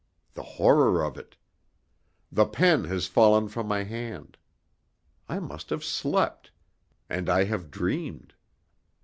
The horror of it! The pen has fallen from my hand. I must have slept; and I have dreamed.